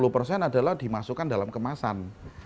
sembilan puluh persen adalah dimasukkan dalam kemasan